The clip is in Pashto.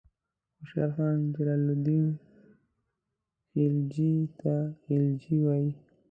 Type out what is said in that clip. خوشحال خان جلال الدین خلجي ته غلجي وایي.